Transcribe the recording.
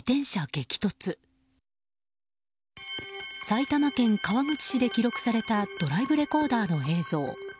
埼玉県川口市で記録されたドライブレコーダーの映像。